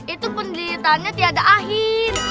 itu penderitaannya tiada ahin